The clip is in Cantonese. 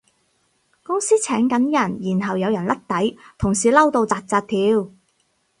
公司請緊人然後有人甩底，同事嬲到紮紮跳